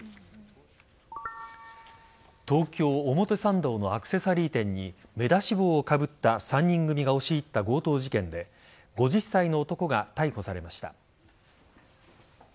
東京・表参道のアクセサリー店に目出し帽をかぶった３人組が押し入った強盗事件で５０歳の男が逮捕されました。